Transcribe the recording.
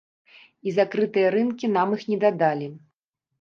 І закрытыя рынкі нам іх не дадалі.